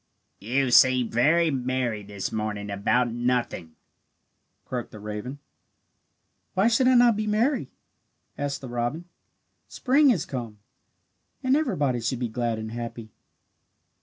"You seem very merry this morning about nothing," croaked the raven. "Why should I not be merry?" asked the robin. "Spring has come, and everybody should be glad and happy."